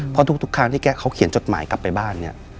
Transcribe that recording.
เพราะทุกครั้งที่แกเขาเขียนจดหมายกลับไปบ้านเนี่ย